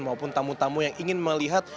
maupun tamu tamu yang ingin melihat